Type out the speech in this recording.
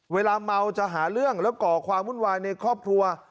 เวลาเมาจะหาเรื่องแล้วก่อความวุ่นวายในครอบครัว